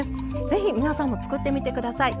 是非皆さんも作ってみて下さい。